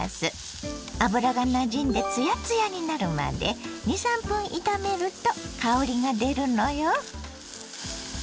油がなじんでツヤツヤになるまで２３分炒めると香りがでるのよ。